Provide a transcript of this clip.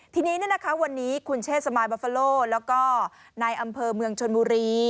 ทีนี้วันนี้คุณเชษสมายบอฟฟาโลแล้วก็นายอำเภอเมืองชนบุรี